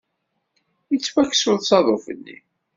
Yettwakkes usaḍuf-nni.